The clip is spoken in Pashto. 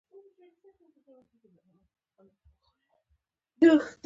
د ماشوم د اسهال لپاره باید څه شی وکاروم؟